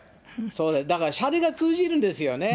だから、しゃれが通じるんですよね。